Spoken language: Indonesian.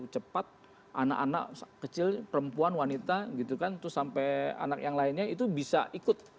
cepat anak anak kecil perempuan wanita gitu kan terus sampai anak yang lainnya itu bisa ikut